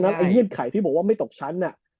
เพราะฉะนั้นเยี่ยมไขที่บอกว่าไม่ตกชั้นอะ